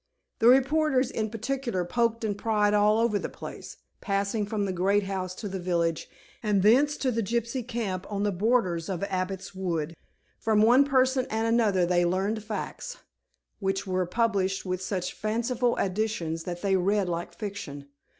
The reporters in particular poked and pried all over the place, passing from the great house to the village, and thence to the gypsy camp on the borders of Abbot's Wood. From one person and another they learned facts, which were published with such fanciful additions that they read like fiction.